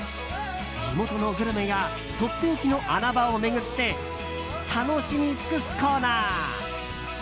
地元のグルメやとっておきの穴場を巡って楽しみ尽くすコーナー。